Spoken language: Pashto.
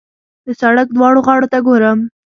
د سړک دواړو غاړو ته ګورم.